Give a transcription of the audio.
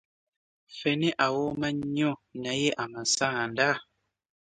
Ffene awooma nnyo naye amasanda!